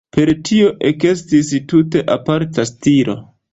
Per tio ekestis tute aparta stilo.